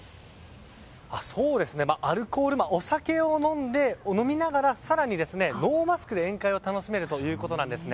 アルコール、お酒を飲みながら更に、ノーマスクで宴会を楽しめるということなんです。